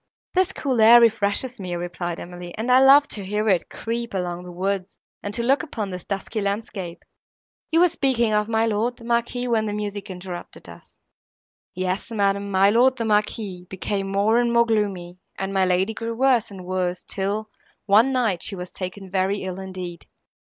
"This cool air refreshes me," replied Emily, "and I love to hear it creep along the woods, and to look upon this dusky landscape. You were speaking of my lord, the Marquis, when the music interrupted us." "Yes, madam, my lord, the Marquis, became more and more gloomy; and my lady grew worse and worse, till, one night, she was taken very ill, indeed.